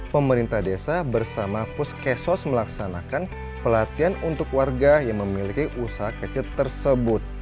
pemerintah desa bersama puskesos melaksanakan pelatihan untuk warga yang memiliki usaha kecil tersebut